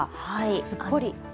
すっぽり。